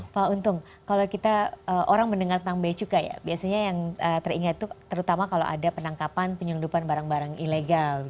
pak untung kalau kita orang mendengar tentang beacuka ya biasanya yang teringat itu terutama kalau ada penangkapan penyelundupan barang barang ilegal